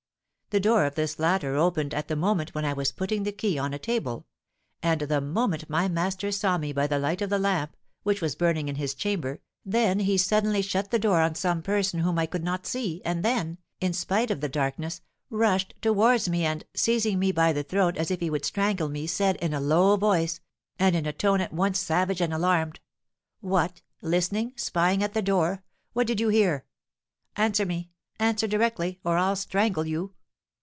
The door of this latter opened at the moment when I was putting the key on a table; and the moment my master saw me by the light of the lamp, which was burning in his chamber, then he suddenly shut the door on some person whom I could not see, and then, in spite of the darkness, rushed towards me and, seizing me by the throat as if he would strangle me, said, in a low voice, and in a tone at once savage and alarmed, 'What! listening! spying at the door! What did you hear? Answer me, answer directly, or I'll strangle you.'